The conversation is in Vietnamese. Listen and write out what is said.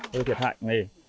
hơi thiệt hại nghề